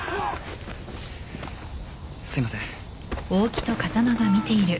すいません。